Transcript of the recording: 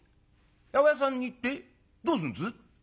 「八百屋さんに行ってどうすんです？」。